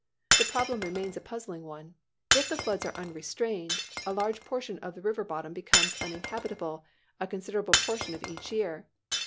The problem remains a puzzling one. If the floods are unrestrained, a large portion of the river bottom becomes uninhabitable a considerable portion of each year.